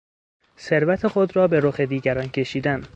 ثروت خود را به رخ دیگران کشیدن